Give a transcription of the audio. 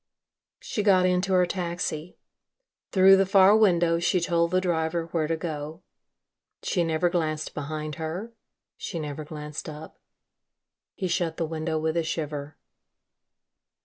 She got into her taxi. Through the far window she told the driver where to go. She never glanced behind her, she never glanced up. He shut the window with a shiver.